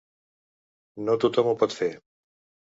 No tothom ho pot fer.